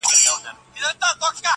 ځی ډېوې سو دغه توري شپې رڼا کړو,